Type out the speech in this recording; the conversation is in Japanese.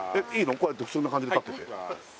こうやって普通な感じで立ってていきます